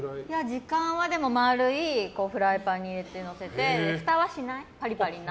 時間は丸いフライパンに入れてのせてふたはしない。